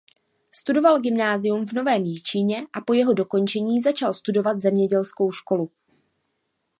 Studoval gymnázium v Novém Jičíně a po jeho dokončení začal studovat zemědělskou školu.